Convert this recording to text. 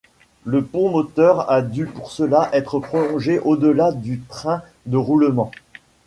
Le pont moteur a dû pour cela être prolongé au-delà du train de roulement.